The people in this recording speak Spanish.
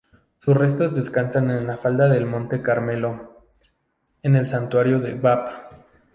Sus restos descansan en la falda del Monte Carmelo, en el Santuario del Báb.